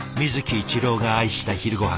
一郎が愛した昼ごはん。